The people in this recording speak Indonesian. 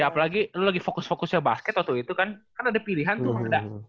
apalagi lo lagi fokus fokusnya basket waktu itu kan kan ada pilihan tuh